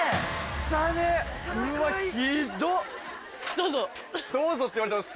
どうぞ。